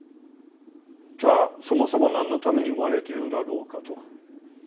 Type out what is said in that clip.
じゃあそもそも何のために生まれているんだろうかと。